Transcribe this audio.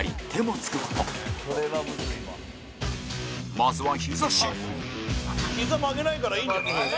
まずは、ヒザ神山崎：ヒザ曲げないからいいんじゃない？